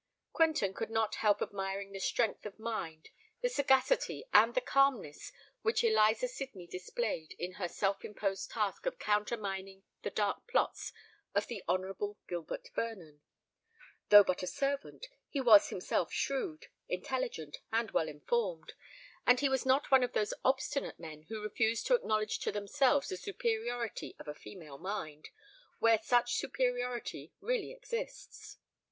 Quentin could not help admiring the strength of mind, the sagacity, and the calmness which Eliza Sydney displayed in her self imposed task of countermining the dark plots of the Honourable Gilbert Vernon. Though but a servant, he was himself shrewd, intelligent, and well informed; and he was not one of those obstinate men who refuse to acknowledge to themselves the superiority of a female mind, where such superiority really exists.